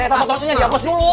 potongnya dihapus dulu